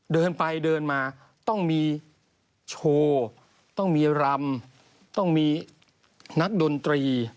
เดินไปเดินมาต้องมีโชว์ต้องมีรำต้องมีนักดนตรี